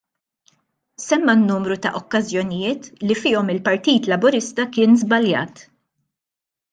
Semma n-numru ta' okkażjonijiet li fihom il-Partit Laburista kien żbaljat.